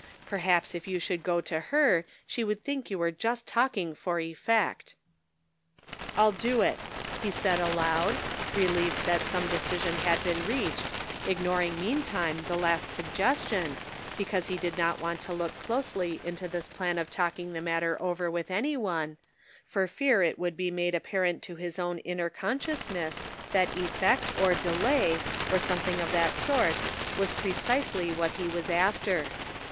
Perhaps if you should go to her she would think you were just talking for effect." "I'll do it," he said aloud, relieved that some decision had been reached, ignoring mean time the last suggestion, because he did not want to look closely into this plan of talking the matter over with any one, for fear it would be made apparent to his own inner conscious ness that effect or delay, or something of that sort, was precisely what he was after.